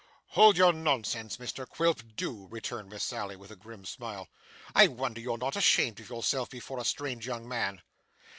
'Hold your nonsense, Mr Quilp, do,' returned Miss Sally, with a grim smile. 'I wonder you're not ashamed of yourself before a strange young man.